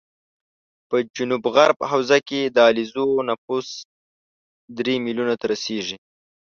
په جنوب غرب حوزه کې د علیزو نفوس درې ملیونو ته رسېږي